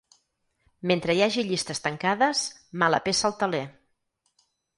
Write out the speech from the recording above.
Mentre hi hagi llistes tancades, mala peça al teler.